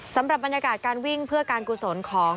สำหรับบรรยากาศการวิ่งเพื่อการกุศลของ